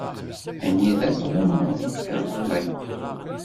Anida i tɛummeḍ iḍelli?